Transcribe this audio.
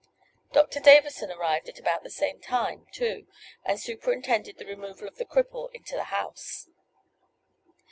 Doctor Davison arrived at about the same time, too, and superintended the removal of the cripple into the house.